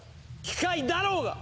機械だろうが！